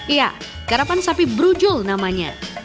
iya karapan sapi brujul namanya